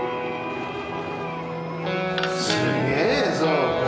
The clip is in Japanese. すげえぞこれ。